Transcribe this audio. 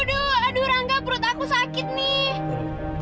aduh aduh rangga perut aku sakit nih